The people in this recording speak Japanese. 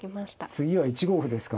次は１五歩ですか。